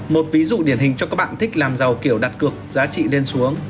một ví dụ điển hình cho các bạn thích làm giàu kiểu đặt cược giá trị lên xuống